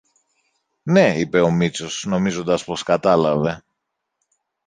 Ναι, είπε ο Μήτσος νομίζοντας πως κατάλαβε